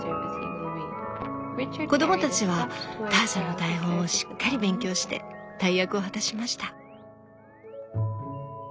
子供たちはターシャの台本をしっかり勉強して大役を果たしました。